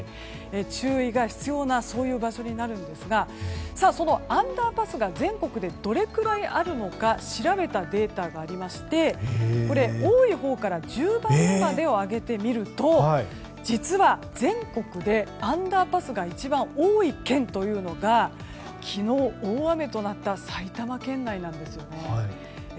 注意が必要な場所になるんですがそのアンダーパスが全国でどれくらいあるのか調べたデータがありまして多いほうから１０番目までを挙げてみると実は、全国でアンダーパスが一番多い県というのが昨日、大雨となった埼玉県内なんですね。